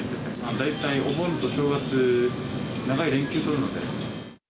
大体お盆と正月、長い連休取るので。